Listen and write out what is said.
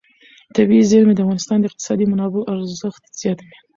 طبیعي زیرمې د افغانستان د اقتصادي منابعو ارزښت زیاتوي.